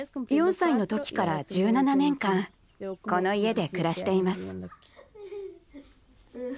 ４歳の時から１７年間この家で暮らしています。